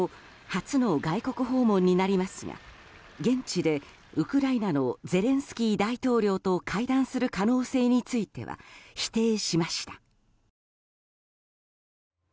初の外国訪問になりますが現地でウクライナのゼレンスキー大統領と会談する可能性については否定しました。